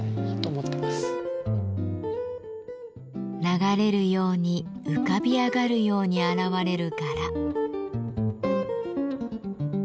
流れるように浮かび上がるように現れる柄。